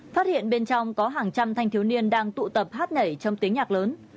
phát hiện bên trong có hàng trăm thanh thiếu niên đang tụ tập hát nhảy trong tiếng nhạc lớn